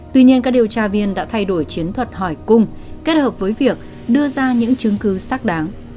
tuy nhiên các điều tra viên đã thay đổi chiến thuật hỏi cung kết hợp với việc đưa ra những chứng cứ xác đáng